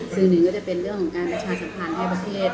คือหนึ่งก็จะเป็นเรื่องของการประชาสัมพันธ์ให้ประเทศ